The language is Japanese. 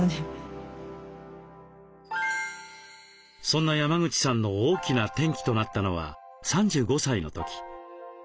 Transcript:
そんな山口さんの大きな転機となったのは３５歳のとき。